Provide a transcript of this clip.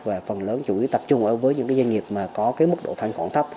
và phần lớn chủ yếu tập trung với những doanh nghiệp có mức độ thăng khoảng thấp